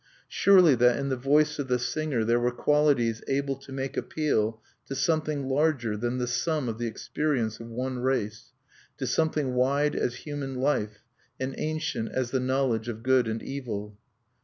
Surely that in the voice of the singer there were qualities able to make appeal to something larger than the sum of the experience of one race, to something wide as human life, and ancient as the knowledge of good and evil.